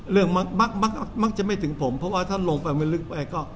มักจะไม่ถึงผมเพราะว่าถ้าลงไปมันลึกไปก็